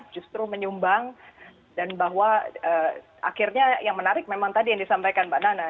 justru menyumbang dan bahwa akhirnya yang menarik memang tadi yang disampaikan mbak nana